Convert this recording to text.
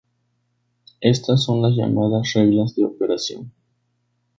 Estas son las llamadas reglas de operación.